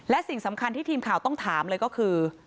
และสิ่งสำคัญที่ทีมข่าวต้องถามเลยก็คือ